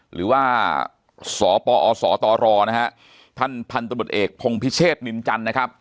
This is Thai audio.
หรือว่าสตรนะครับท่านพันธุ์ตำรวจเอกพงพิเชษนินจันนะครับ